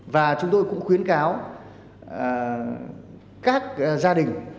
và chúng tôi cũng khuyến cáo các gia đình